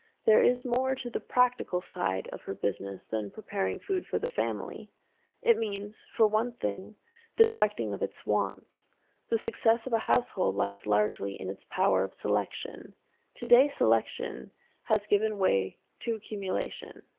There is more to the practical side of her business than preparing food for the family! It means, for one thing, the directing of its wants. The success of a household lies largely in its power of selection. To day selection has given way to accumulation.